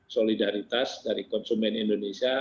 solidaritas dari konsumen indonesia